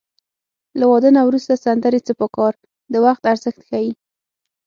له واده نه وروسته سندرې څه په کار د وخت ارزښت ښيي